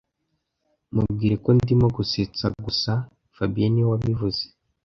Mubwire ko ndimo gusetsa gusa fabien niwe wabivuze